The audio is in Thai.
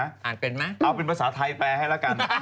อ่านเป็นไหมเอาเป็นภาษาไทยแปลให้แล้วกัน